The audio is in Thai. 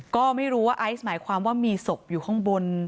ก็ไม่รู้ว่าไอซ์หมายความว่ามีศพอยู่ข้างบน